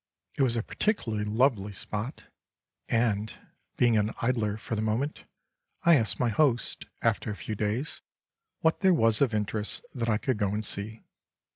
It was a particularly lovely spot, and, being an idler for the moment, I asked my host, after a few days, what there was of interest that I could go and see.